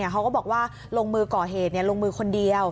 เขาก็บอกว่าลงมือก่อเหตุลงมือคนเดียว